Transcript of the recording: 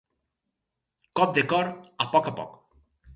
Cop de cor a poc a poc.